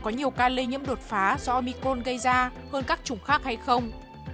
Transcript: nhiều ca lây nhiễm đột phá do omicron gây ra hơn các chủng khác hay không